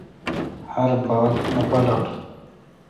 ہر باگ نہ پالٹل۔